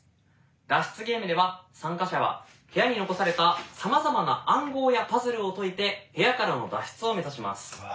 脱出ゲームでは参加者は部屋に残されたさまざまな暗号やパズルを解いて部屋からの脱出を目指します。